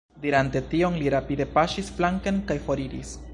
Dirante tion, li rapide paŝis flanken kaj foriris.